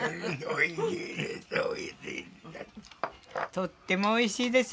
とってもおいしいです。